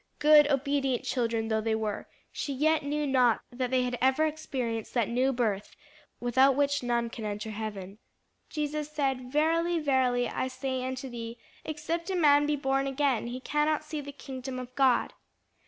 Good, obedient children though they were, she yet knew not that they had ever experienced that new birth without which none can enter heaven. Jesus said, "Verily, verily, I say unto thee, Except a man be born again, he cannot see the kingdom of God."